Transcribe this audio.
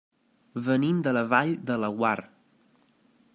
Venim de la Vall de Laguar.